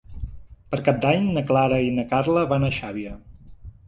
Per Cap d'Any na Clara i na Carla van a Xàbia.